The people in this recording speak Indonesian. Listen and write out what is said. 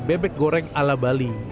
bebek goreng ala bali